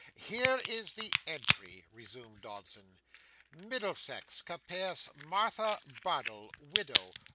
'Here is the entry,' resumed Dodson. '"Middlesex, Capias MARTHA BARDELL, WIDOW, v.